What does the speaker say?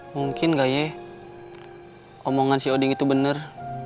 mungkin kayaknya omongan si oding itu benar